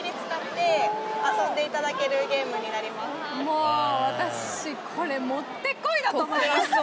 もう私これもってこいだと思います。